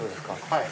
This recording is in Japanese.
はい。